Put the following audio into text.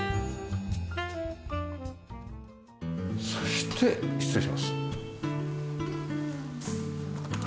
そして失礼します。